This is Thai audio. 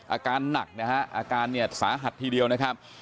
อาการหนักนะฮะอาการเนี่ยสาหัสทีเดียวนะครับ